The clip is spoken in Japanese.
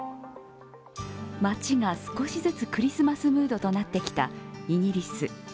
街が少しずつクリスマスムードとなってきたイギリス。